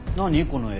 この絵。